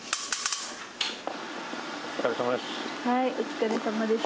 お疲れさまです。